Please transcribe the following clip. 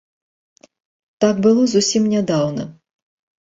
Так было зусім нядаўна.